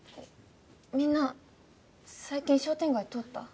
みんな最近商店街通った？